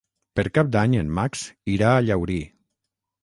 Per Cap d'Any en Max irà a Llaurí.